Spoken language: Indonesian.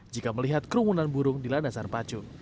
jika melihat kerumunan burung di landasan pacu